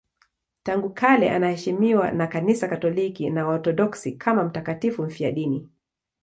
Tangu kale anaheshimiwa na Kanisa Katoliki na Waorthodoksi kama mtakatifu mfiadini.